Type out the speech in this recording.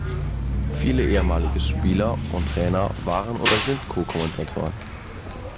Viele ehemalige Spieler und Trainer waren oder sind Co-Kommentatoren.